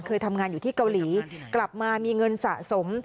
เคยทำงานอยู่ที่เกาหลีกลับมามีเงินสะสม